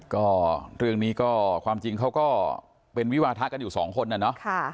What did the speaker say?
ก็เรื่องนี้ก็ความจริงเขาก็เป็นวิวาทะกันอยู่สองคนน่ะเนาะ